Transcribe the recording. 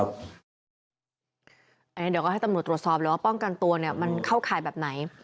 เดี๋ยวก็ให้ตำรวจรับความความป้องกันตัวเนี่ยมันเข้าขายแบบไหน